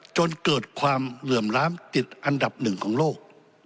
จนเกิดความเหลื่อมล้ำติดอันดับหนึ่งของโลก